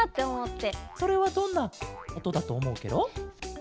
それはどんなおとだとおもうケロ？